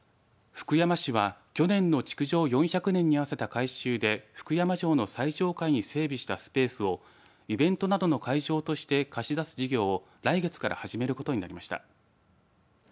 福山市は去年の築城４００年に合わせた改修で福山城の最上階に整備したスペースをイベントなどの会場として貸し出す事業を来月から始めることになりました。